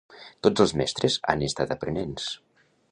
Tots els mestres han estat aprenents.